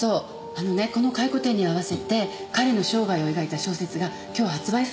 あのねこの回顧展に合わせて彼の生涯を描いた小説が今日発売されるんです。